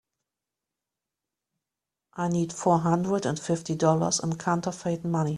I need four hundred and fifty dollars in counterfeit money.